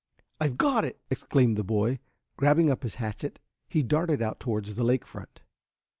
"I've got it!" exclaimed the boy. Grabbing up his hatchet he darted out towards the lake front.